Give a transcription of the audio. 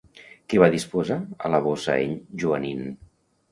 Què va dipositar a la bossa en Joanín?